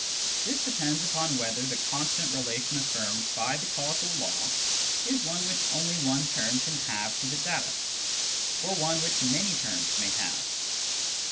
This depends upon whether the constant relation affirmed by the causal law is one which only one term can have to the data, or one which many terms may have.